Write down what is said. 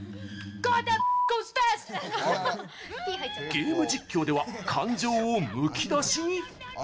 ゲーム実況では感情をむき出しに！